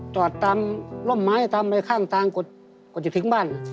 จอดตามร่ำไม้ตามไปข้างทางก็จะถึงบ้าน